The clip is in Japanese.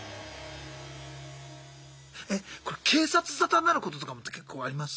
えこれ警察沙汰になることとかもけっこうあります？